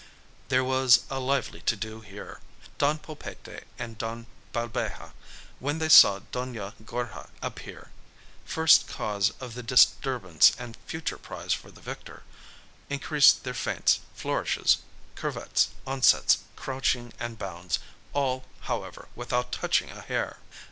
There was a lively to do here; Don Pulpete and Don Balbeja when they saw Doña Gorja appear, first cause of the disturbance and future prize for the victor, increased their feints, flourishes, curvets, onsets, crouching, and bounds all, however, without touching a hair.